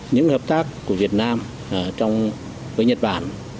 những hợp tác của việt nam với nhật bản